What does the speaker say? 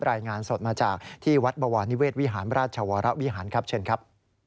รายงานสดมาจากที่วัดบวรนิเวศวิหารราชวรวิหารครับเชิญครับ